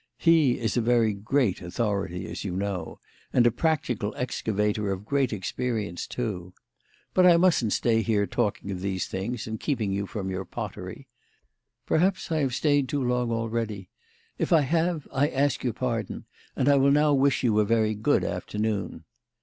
He is a very great authority, as you know, and a practical excavator of great experience too. But I mustn't stay here talking of these things, and keeping you from your pottery. Perhaps I have stayed too long already. If I have I ask your pardon, and I will now wish you a very good afternoon."